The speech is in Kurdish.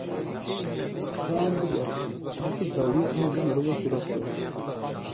Ka em bigerin, belkî dawiyê em li mirovekî rast werin.